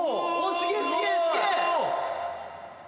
すげえすげえすげえ！